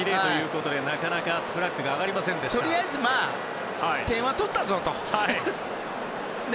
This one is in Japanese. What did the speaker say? とりあえずまあ点は取ったぞと。